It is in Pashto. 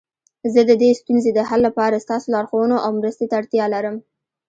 زه د دې ستونزې د حل لپاره ستاسو لارښوونو او مرستي ته اړتیا لرم